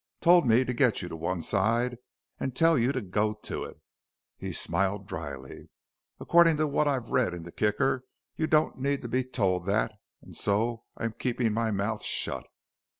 Told me to get you to one side and tell you to go to it." He smiled dryly. "According to what I've read in the Kicker you don't need to be told that and so I'm keeping my mouth shut."